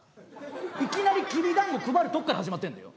いきなりきび団子配るとこから始まってんのよ。